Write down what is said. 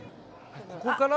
ここから。